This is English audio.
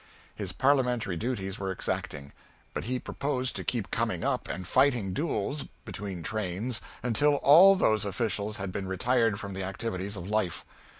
His parliamentary duties were exacting, but he proposed to keep coming up and fighting duels between trains until all those officials had been retired from the activities of life.